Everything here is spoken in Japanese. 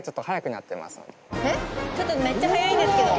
ちょっとめっちゃ速いんですけど！